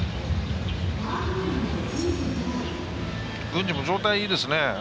郡司も状態いいですね。